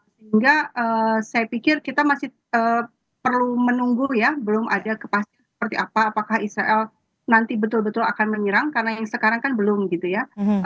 sehingga saya pikir kita masih perlu menunggu ya belum ada kepastian seperti apa apakah israel nanti betul betul akan menyerang karena yang sekarang kan belum gitu ya